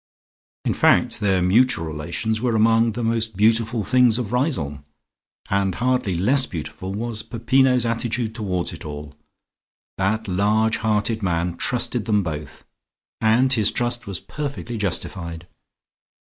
In fact their mutual relations were among the most Beautiful Things of Riseholme, and hardly less beautiful was Peppino's attitude towards it all. That large hearted man trusted them both, and his trust was perfectly justified.